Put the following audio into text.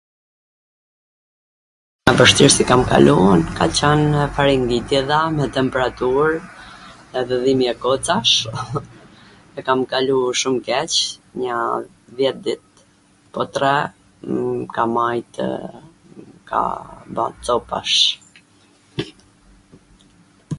vwshtirsi kam kalu un, ka qwn faringitidha me temperatur edhe dhimje kocash, e kam kalu shum keq njaa dhjet dit po t ra m ka majtw ka bo copash